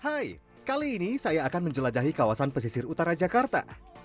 hai kali ini saya akan menjelajahi kawasan pesisir utara jakarta